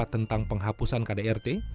tentang penghapusan kdrt